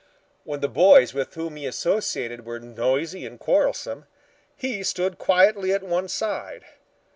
When the boys with whom he associated were noisy and quarrelsome, he stood quietly at one side.